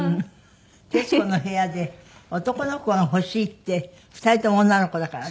『徹子の部屋』で「男の子が欲しい」って２人とも女の子だからね。